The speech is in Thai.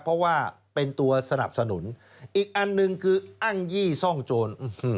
เพราะว่าเป็นตัวสนับสนุนอีกอันหนึ่งคืออ้างยี่ซ่องโจร